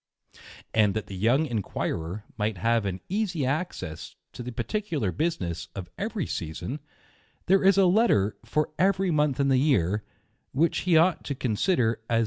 — And that the young inquirer may have an easy access to the particular business of every season, there is a Letter ^ far every month in the year, which he ought to consider as A Aa ti PREFACE.